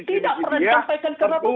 tidak pernah ditampaikan ke rapuh